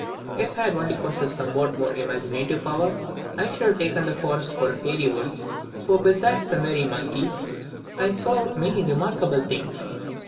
If I had only possessed somewhat more imaginative power, I should have taken the forest for a fairy wood, for besides the merry monkeys, I saw many remarkable things.